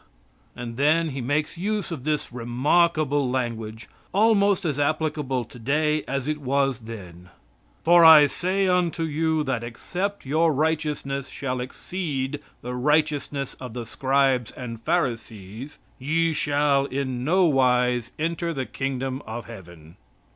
And then he makes use of this remarkable language, almost as applicable today as it was then: "For I say unto you that except your righteousness shall exceed the righteousness of the Scribes and Pharisees ye shall in no wise enter the kingdom of Heaven."